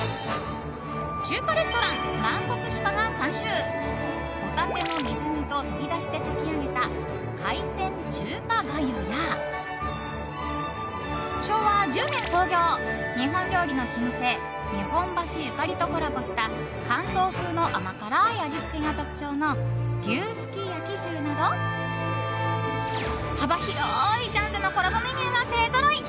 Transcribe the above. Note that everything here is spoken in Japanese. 中華レストラン南国酒家が監修ホタテの水煮と鶏だしで炊き上げた海鮮中華粥や昭和１０年創業、日本料理の老舗日本橋ゆかりとコラボした関東風の甘辛い味付けが特徴の牛すき焼き重など幅広いジャンルのコラボメニューが勢ぞろい！